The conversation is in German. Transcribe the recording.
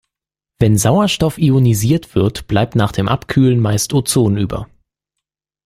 Wenn Sauerstoff ionisiert wird, bleibt nach dem Abkühlen meist Ozon über.